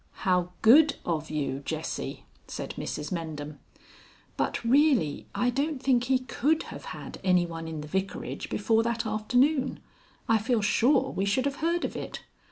"How good of you, Jessie," said Mrs Mendham. "But really, I don't think he could have had any one in the Vicarage before that afternoon. I feel sure we should have heard of it.